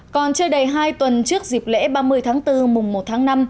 còn chưa đầy hai tuần trước dịp lễ ba mươi tháng bốn mùng một tháng năm